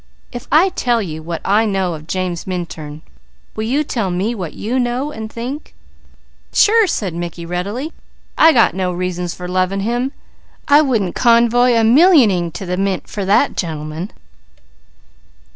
If I tell you what I know of James Minturn, will you tell me what you know and think?" "Sure!" said Mickey readily. "I got no reasons for loving him. I wouldn't convoy a millying to the mint for that gentleman!"